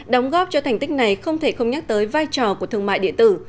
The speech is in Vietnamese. đóng góp cho thành tích này không thể không nhắc tới vai trò của thương mại điện tử